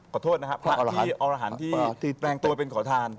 ขอร้านที่แรงตัวเป็นขอถาน